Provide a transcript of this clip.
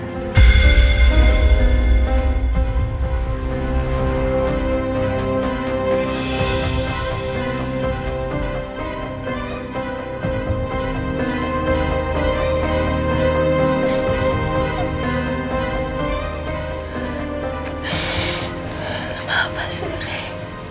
kenapa sih rey